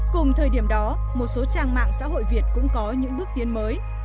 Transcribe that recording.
cùng thời điểm đó một số trang mạng xã hội việt cũng có những bước tiến mới